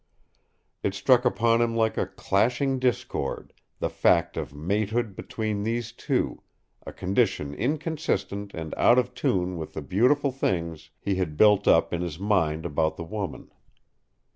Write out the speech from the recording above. It struck upon him like a clashing discord, the fact of matehood between these two a condition inconsistent and out of tune with the beautiful things he had built up in his mind about the woman.